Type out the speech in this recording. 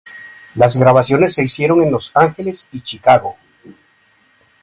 Las grabaciones se hicieron en Los Ángeles y Chicago.